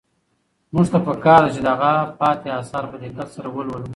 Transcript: موږ ته په کار ده چې د هغه پاتې اثار په دقت سره ولولو.